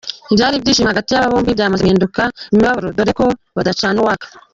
Ibyari ibyishimo hagati y’aba bombi byamaze guhinduka imibabaro dore ko badacana uwaka.